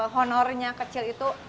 honornya kecil itu